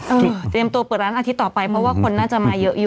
เตรียมตัวเปิดร้านอาทิตย์ต่อไปเพราะว่าคนน่าจะมาเยอะอยู่